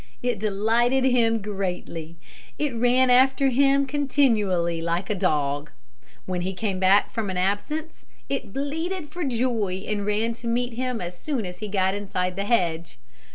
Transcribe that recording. It delighted him greatly. It ran after him continually like a dog. When he came back from an absence, it bleated for joy and ran to meet him as soon as he got inside the hedge.